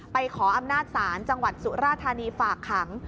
ขออำนาจศาลจังหวัดสุราธานีฝากขัง